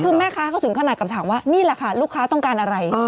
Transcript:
คือแม่ค้าเขาถึงขนาดกับถามว่านี่แหละค่ะลูกค้าต้องการอะไร